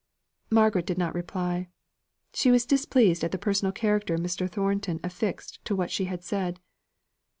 Margaret did not reply. She was displeased at the personal character Mr. Thornton affixed to what she had said.